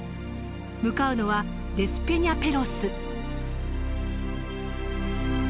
向かうのはデスペニャペロス。